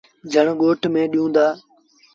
جھڻ ڳوٺ ميݩ ڏيوٚن دآ۔